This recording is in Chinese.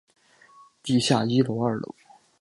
地下一楼二楼